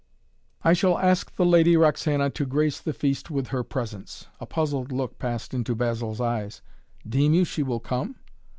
I shall ask the Lady Roxana to grace the feast with her presence " A puzzled look passed into Basil's eyes. "Deem you she will come?"